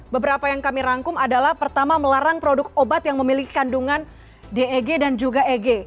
beberapa yang kami rangkum adalah pertama melarang produk obat yang memiliki kandungan deg dan juga eg